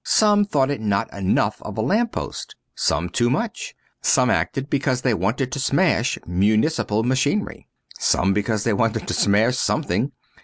Some thought it not enough of a lamp post, some too much ; some acted because they wanted to smash municipal machinery ; some because they wanted to smash something.